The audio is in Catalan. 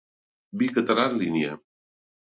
Vi català en línia.